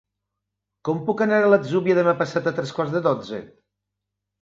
Com puc anar a l'Atzúbia demà passat a tres quarts de dotze?